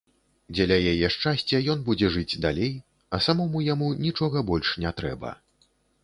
Дзеля яе шчасця ён будзе жыць далей, а самому яму нічога больш не трэба.